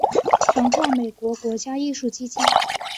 曾获美国国家艺术基金。